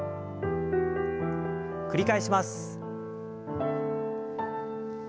繰り返します。